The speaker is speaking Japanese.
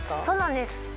そうなんです。